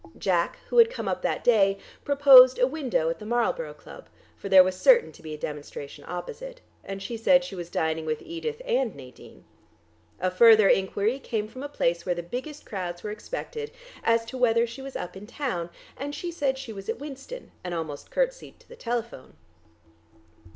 Jack, who had come up that day, proposed a window at the Marlborough Club, for there was certain to be a demonstration opposite, and she said she was dining with Edith and Nadine. A further enquiry came from a place where the biggest crowds were expected, as to whether she was up in town, and she said she was at Winston, and almost curtsied to the telephone.